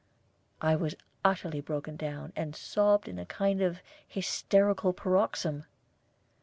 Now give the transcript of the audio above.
I was utterly broken down, and sobbed in a kind of hysterical paroxysm.